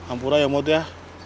ampura ya om maud ya